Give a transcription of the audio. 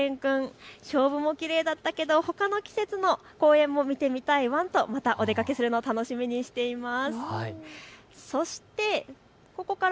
しゅと犬くん、しょうぶもきれいだったけど、ほかの季節の公園も見てみたいワンとまたお出かけするのを楽しみにしています。